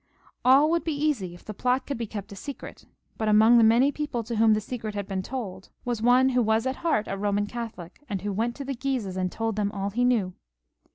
All would be easy if the plot could be kept a secret, but among the many people to whom the secret had been told, was one who was at heart a Boman Catholic, and who went to the Guises and told them all he knew.